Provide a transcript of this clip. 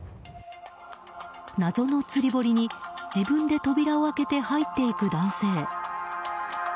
謎の釣り堀に自分で扉を開けて入っていく男性。